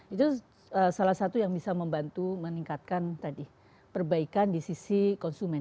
itu salah satu yang bisa membantu meningkatkan tadi perbaikan di sisi konsumen